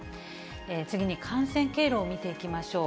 次に感染経路を見ていきましょう。